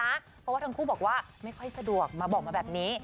เพราะว่าทั้งคู่บอกว่าไม่ค่อยสะดวกมาบอกมาแบบนี้